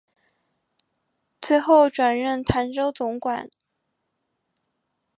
最后转任澶州总管。